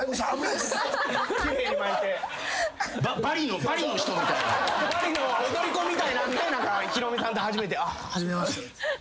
バリの踊り子みたいになってヒロミさんと初めて「あっ初めまして」